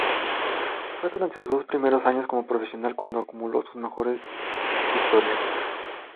Fue durante sus dos primeros años como profesional cuando acumuló sus mejores victorias.